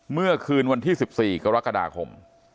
เมื่อคืนวันที่๑๔กรกฎาคม